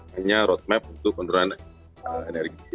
hanya roadmap untuk penurunan energi